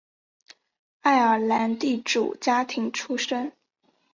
爱尔兰地主家庭出身。